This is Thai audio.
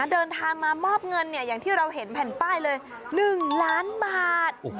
เดินทางมามอบเงินอย่างที่เราเห็นแผ่นป้ายเลย๑ล้านบาท